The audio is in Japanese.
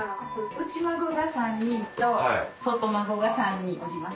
内孫が３人と外孫が３人おります。